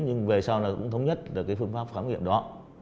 nhưng về sau này cũng thống nhất được cái phương pháp khám nghiệm đó